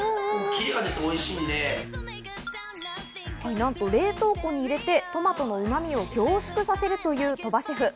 なんと冷凍庫に入れてトマトのうまみを凝縮させるという鳥羽シェフ。